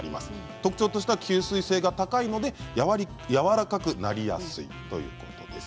特徴としては吸水性が高いのでやわらかくなりやすいということです。